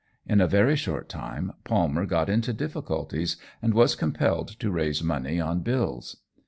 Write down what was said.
In a very short time Palmer got into difficulties, and was compelled to raise money on bills.